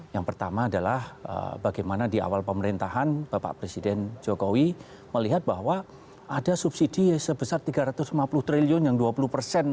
yang pertama adalah bagaimana di awal pemerintahan bapak presiden jokowi melihat bahwa ada subsidi sebesar tiga ratus lima puluh triliun yang dua puluh persen